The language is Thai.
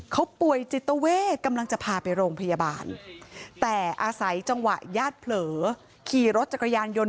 เขาป่วยจิตเวทกำลังจะพาไปโรงพยาบาลแต่อาศัยจังหวะญาติเผลอขี่รถจักรยานยนต์